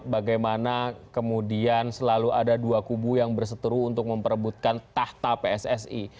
bagaimana kemudian selalu ada dua kubu yang berseteru untuk memperebutkan tahta pssi